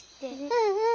うんうん。